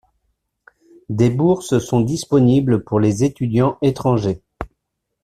Des bourses sont disponibles pour les étudiants étrangers.